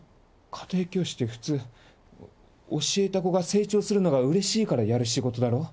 家庭教師って普通教えた子が成長するのがうれしいからやる仕事だろ？